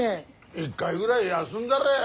一回ぐらい休んだらや？